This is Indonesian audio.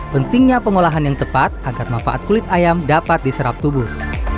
pentingnya pengolahan yang tepat agar manfaat kulit ayam dapat diserap tubuh